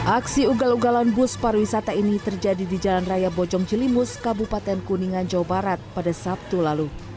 aksi ugal ugalan bus pariwisata ini terjadi di jalan raya bojong jelimus kabupaten kuningan jawa barat pada sabtu lalu